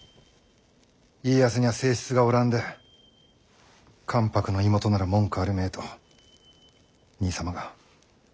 家康にゃ正室がおらんで関白の妹なら文句あるめえと兄様が。